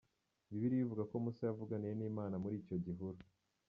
Bibiliya ivuga ko Musa yavuganiye n’Imana muri icyo gihuru.